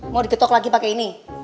mau digetok lagi pakai ini